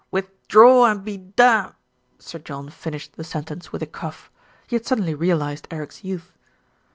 "Withdraw and be dam " Sir John finished the sentence with a cough. He had suddenly realised Eric's youth.